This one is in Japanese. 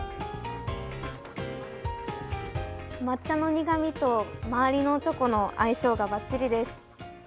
抹茶の苦みと周りのチョコの相性がバッチリです。